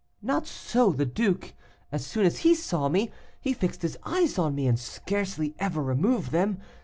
"Not so the duke. As soon as he saw me, he fixed his eyes on me, and scarcely ever removed them.